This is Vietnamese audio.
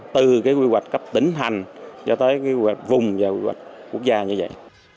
từ cái quy hoạch cấp tỉnh hành cho tới quy hoạch vùng và quy hoạch quốc gia như vậy